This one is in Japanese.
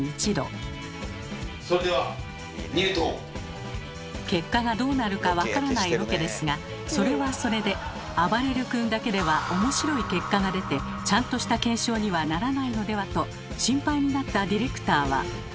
それでは結果がどうなるか分からないロケですがそれはそれであばれる君だけではおもしろい結果が出てちゃんとした検証にはならないのではと心配になったディレクターは。